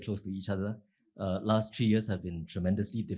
kita semua sangat rapat dengan satu sama lain